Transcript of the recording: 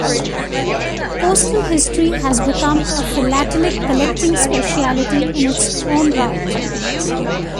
Postal history has become a philatelic collecting speciality in its own right.